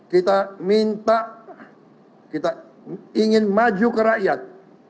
kita minta kita ingin maju ke rakyat